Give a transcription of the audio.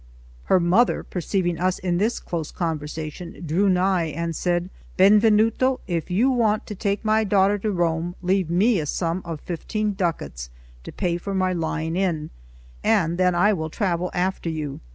Her mother perceiving us in this close conversation, drew nigh and said: "Benvenuto, if you want to take my daughter to Rome, leave me a sum of fifteen ducats, to pay for my lying in, and then I will travel after you."